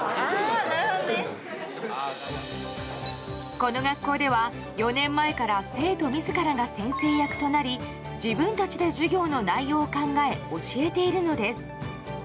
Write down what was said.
この学校では、４年前から生徒自らが先生役となり自分たちで授業の内容を考え教えているのです。